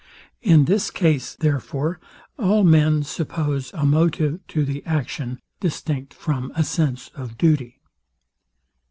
In this case, therefore, all men suppose a motive to the action distinct from a sense of duty.